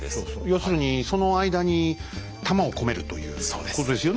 要するにその間に弾を込めるということですよね。